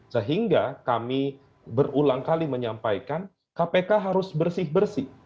sehingga kami berulang kali menyampaikan kpk harus bersih bersih